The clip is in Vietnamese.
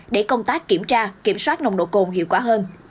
để công tác kiểm tra kiểm soát nồng độ cồn hiệu quả hơn